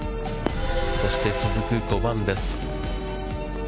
そして続く５番です。